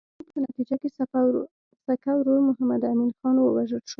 د جنګونو په نتیجه کې سکه ورور محمد امین خان ووژل شو.